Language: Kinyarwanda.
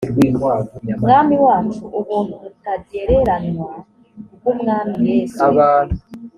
mwami wacu ubuntu butagereranywa bw umwami yesu